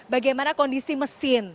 bagaimana kondisi mesin